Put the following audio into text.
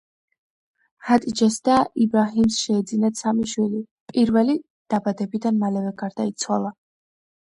ჰატიჯეს და იბრაჰიმს შეეძინათ სამი შვილი, პირველი დაბადებიდან მალევე გარდაიცვალა.